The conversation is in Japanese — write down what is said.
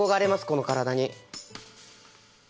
この体に。